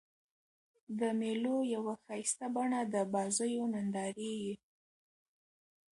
د مېلو یوه ښایسته بڼه د بازيو نندارې يي.